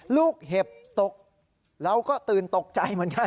เห็บตกเราก็ตื่นตกใจเหมือนกัน